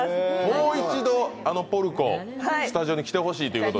もう一度あのポルコ、スタジオに来てほしいと？